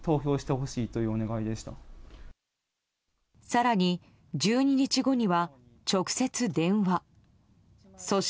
更に、１２日後には直接、電話。